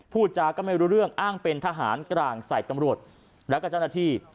พูดจาก็ไม่รู้เรื่องอ้างเป็นทหารกลางใส่ตำรวจแล้วก็เจ้าหน้าที่